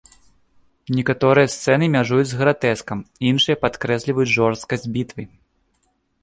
Некаторыя сцэны мяжуюць з гратэскам, іншыя падкрэсліваюць жорсткасць бітвы.